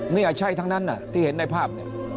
เนี่ยใช่ทั้งนั้นที่เห็นในภาพ